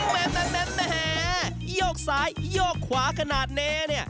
แหม่นะแห่ยกซ้ายยกขวาขนาดนี้